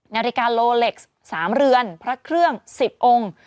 นาฬิกาโลเล็กซ์๓เรือนพระเครื่อง๑๐องค์